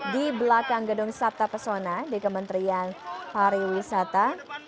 di belakang gedung sabta pesona di kementerian hari wisata